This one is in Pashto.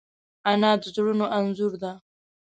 انا د زړونو انځور ده